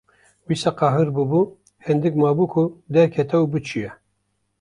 Wisa qehirîbû, hindik mabû ku derketa û biçûya.